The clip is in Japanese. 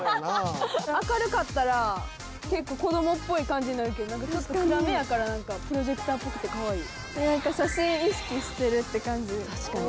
明るかったら結構子供っぽい感じになるけどちょっと暗めやからプロジェクターぽくてかわいい。って感じ。